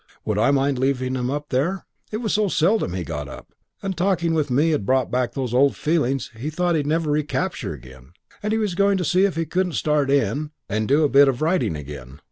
Would I mind leaving him up there? It was so seldom he got up; and talking with me had brought back old feelings he thought he'd never recapture again, and he was going to see if he couldn't start in and do a bit of writing again.